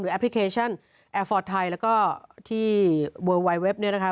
แอปพลิเคชันแอร์ฟอร์ตไทยแล้วก็ที่เวิร์ลวายเว็บเนี่ยนะคะ